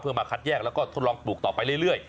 เพื่อมาคัดแยกแล้วก็ทดลองปลูกต่อไปเรื่อย